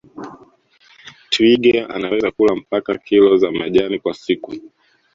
Twiga anaweza kula mpaka kilo za majani kwa siku